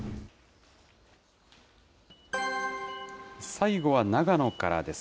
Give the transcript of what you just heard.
最後は長野からです。